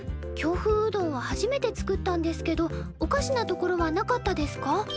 京風うどんは初めて作ったんですけどおかしなところはなかったですか？